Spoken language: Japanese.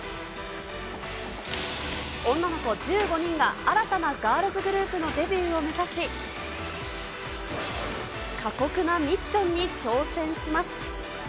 女の子１５人が新たなガールズグループのデビューを目指し、過酷なミッションに挑戦します。